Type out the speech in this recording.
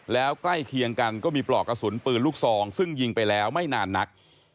แล้วใกล้เคียงกันก็มีปลอกกระสุนปืนลูกซองซึ่งยิงไปแล้วไม่นานนัก